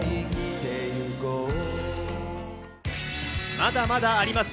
まだまだあります！